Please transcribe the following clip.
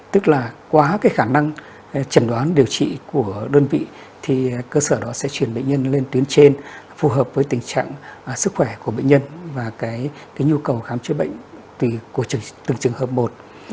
tức là quá cái khả năng chẩn đoán điều trị của đơn vị thì cơ sở đó sẽ chuyển bệnh nhân lên tuyến trên phù hợp với tình trạng sức khỏe của bệnh nhân và cái nhu cầu khám chữa bệnh của từng trường hợp một